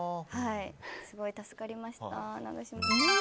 すごい助かりました。